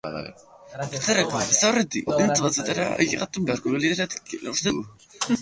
Horretarako, aldez aurretik, baldintza batzuetara ailegatu beharko liratekeela uste du.